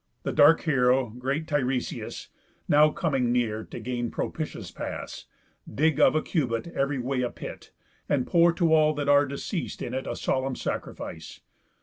The dark heroë, great Tiresias, Now coming near, to gain propitious pass, Dig of a cubit ev'ry way a pit, And pour to all that are deceas'd in it A solemn sacrifice.